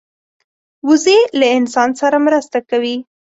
وزې له انسان سره مرسته کوي